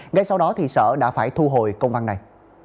ngay sau đó sở đã phải thu hồi công văn này